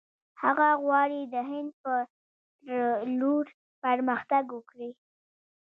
هغه غواړي د هند پر لور پرمختګ وکړي.